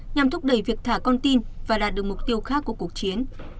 nhằm thúc đẩy việc thả con tin và đạt được mục tiêu khác của cuộc chiến